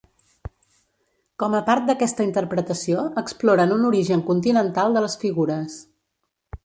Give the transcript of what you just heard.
Com a part d'aquesta interpretació, exploren un origen continental de les figures.